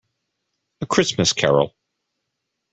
A Christmas Carol.